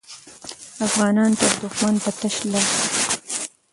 افغانان تر دښمن په تش لاس وو.